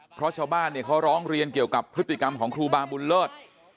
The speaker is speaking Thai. เพราะชาวบ้านเนี่ยเขาร้องเรียนเกี่ยวกับพฤติกรรมของครูบาบุญเลิศ